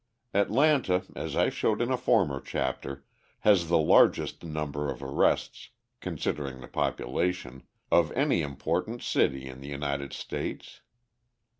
Atlanta, as I showed in a former chapter, has the largest number of arrests, considering the population, of any important city in the United States.